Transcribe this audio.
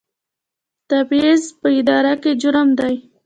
تبعیض په اداره کې جرم دی